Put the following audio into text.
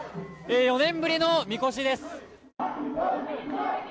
４年ぶりのみこしです。